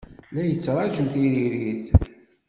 La yettṛaju tiririt.